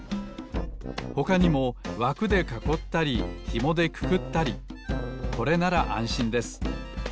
ほかにもわくでかこったりひもでくくったりこれならあんしんです。